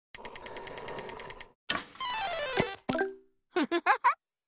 フフフフ。